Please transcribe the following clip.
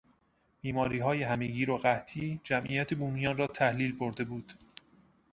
بیماریهای همهگیر و قحطی جمعیت بومیان را تحلیل برده بود.